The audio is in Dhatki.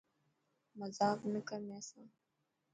مزاڪ نه ڪر مين سان.